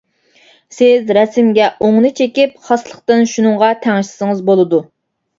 سىز رەسىمگە ئوڭنى چېكىپ، خاسلىقتىن شۇنىڭغا تەڭشىسىڭىز بولىدۇ.